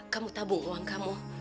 kamu tabung uang kamu